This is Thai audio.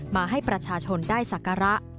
มาให้ประชาชนได้สักการะ